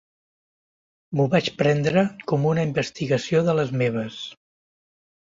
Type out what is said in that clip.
M'ho vaig prendre com una investigació de les meves.